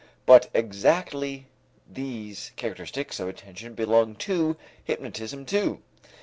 But exactly these characteristics of attention belong to hypnotism too.